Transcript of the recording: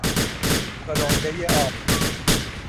تلمبهی آب